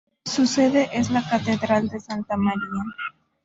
Su sede es la "Catedral de Santa María".